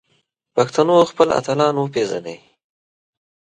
پښتنو خپل اتلان وپیژني